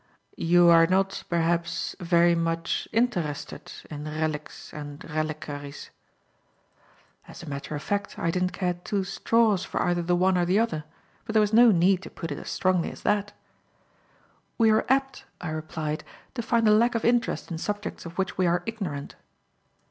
"You are not berhaps very much interested in relics and reliquaries?" As a matter of fact, I didn't care two straws for either the one or the other; but there was no need to put it as strongly as that. "We are apt," I replied, "to find a lack of interest in subjects of which we are ignorant."